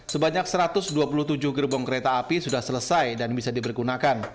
sebanyak satu ratus dua puluh tujuh gerbong kereta api sudah selesai dan bisa dipergunakan